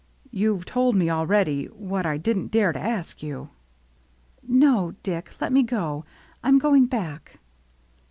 You've told me already what I didn't dare to ask you." "No, Dick, let me go. I'm going back."